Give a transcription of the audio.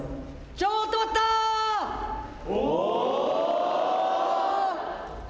ちょっと待ったー！